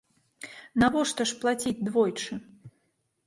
Навошта ж плаціць двойчы?